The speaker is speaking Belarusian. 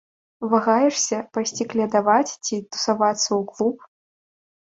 Вагаешся, пайсці калядаваць ці тусавацца ў клуб?